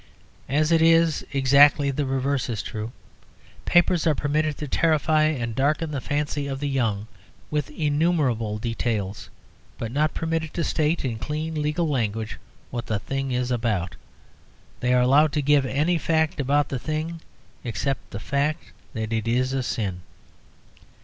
As it is, exactly the reverse is true. Papers are permitted to terrify and darken the fancy of the young with innumerable details, but not permitted to state in clean legal language what the thing is about. They are allowed to give any fact about the thing except the fact that it is a sin.